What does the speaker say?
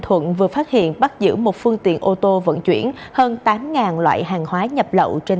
thuận vừa phát hiện bắt giữ một phương tiện ô tô vận chuyển hơn tám loại hàng hóa nhập lậu trên